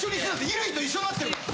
衣類と一緒になってるから。